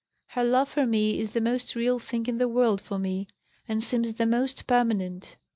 Her love for me is the most real thing in the world for me, and seems the most permanent.